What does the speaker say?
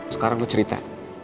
sekarang lo cerita